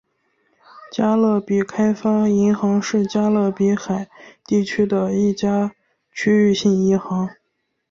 加勒比开发银行是加勒比海地区的一家区域性银行。